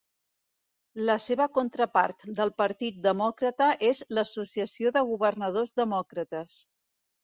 La seva contrapart del Partit Demòcrata es l'Associació de Governadors Demòcrates.